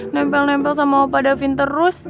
nempel nempel sama opa davin terus